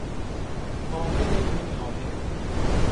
حامل این نامه